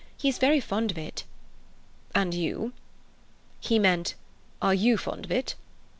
He is very fond of it." "And you?" He meant, "Are you fond of it?"